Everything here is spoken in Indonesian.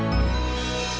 aduh kebentur lagi